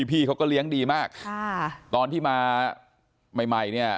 พี่เขาก็เลียงดีมากตอนที่มาใหม่นี่